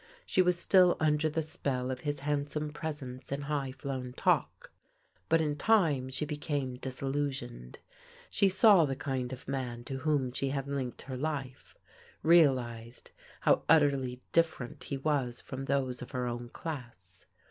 She was still under the spell of his handsome presence and high flown talk ; but in time she became disillusioned. She saw the kind of man to whom she had linked her life, realized how ut terly different he was from those of her own class.